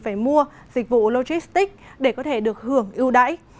phải mua dịch vụ logistics để có thể được hưởng ưu đãi